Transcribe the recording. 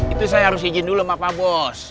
itu saya harus izin dulu sama pak bos